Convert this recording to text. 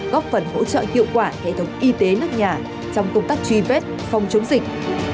góp phần hỗ trợ hiệu quả hệ thống y tế nước nhà trong công tác truy vết phòng chống dịch